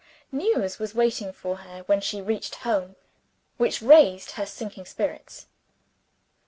News was waiting for her when she reached home, which raised her sinking spirits.